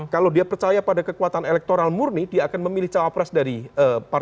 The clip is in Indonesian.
kalau dia percaya pada kekuatan elektoral murni dia akan memilih cawapres dari partai